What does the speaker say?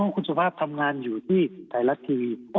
คุณสุภาพทำงานอยู่ที่ไทยรัฐทีวี